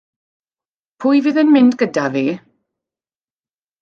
Pwy fydd yn mynd gyda fi?